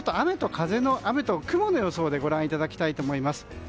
雨と雲の予想でご覧いただきたいと思います。